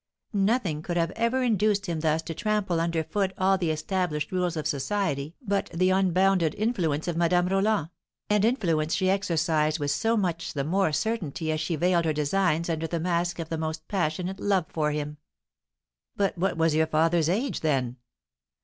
Nothing could ever have induced him thus to trample under foot all the established rules of society but the unbounded influence of Madame Roland, an influence she exercised with so much the more certainty as she veiled her designs under the mask of the most passionate love for him." "But what was your father's age then?"